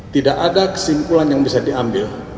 tidak ada kesimpulan yang bisa diambil